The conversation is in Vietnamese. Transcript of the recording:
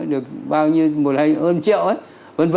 được bao nhiêu hơn triệu ấy v v